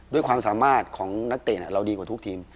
ด้วยความสามารถของนักเตะเราดีกว่าทุกทีม